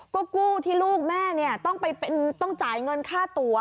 ก็กู้ที่ลูกแม่ต้องจ่ายเงินค่าตัว